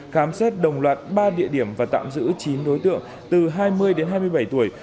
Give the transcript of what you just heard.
khám xét đồng loạt ba địa điểm và tạm giữ chín đối tượng từ hai mươi đến hai mươi bảy tuổi